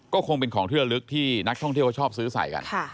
ก็คงเป็นของเที่ยวลึกที่นักท่องเที่ยวเขาชอบซื้อใส่กัน